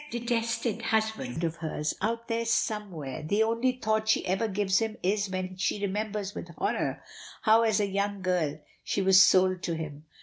That detested husband of hers, out there somewhere, the only thought she ever gives him is when she remembers with horror how as a young girl she was sold to him.